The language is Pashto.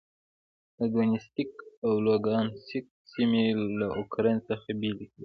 د دونیتسک او لوګانسک سیمې له اوکراین څخه بېلې کړې.